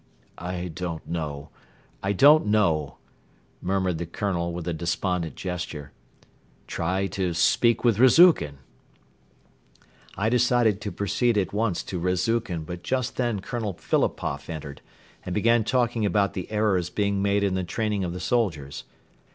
"I don't know; I don't know!" murmured the Colonel with a despondent gesture. "Try to speak with Rezukhin." I decided to proceed at once to Rezukhin but just then Colonel Philipoff entered and began talking about the errors being made in the training of the soldiers.